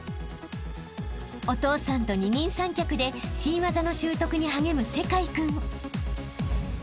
［お父さんと二人三脚で新技の習得に励む聖魁君］